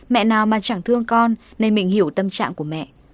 mẹ nào mà chẳng thương con nên mình hiểu tâm trạng của mẹ